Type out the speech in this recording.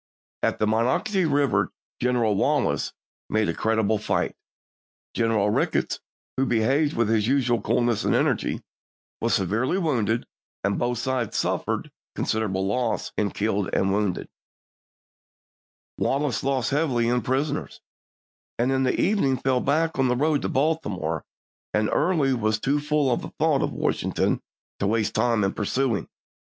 At the Monocacy River, General Wallace made a creditable fight ; General Ricketts, who behaved July 9, im with his usual coolness and energy, was severely wounded, and both sides suffered considerable loss in killed and wounded; Wallace lost heavily in prisoners, and in the evening fell back on the road to Baltimore, and Early was too full of the thought of Washington to waste time in pursuing.